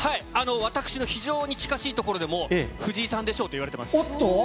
私の非常に近しいところでも、藤井さんでしょうといわれていまおっと？